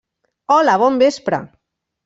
Hola, bon vespre!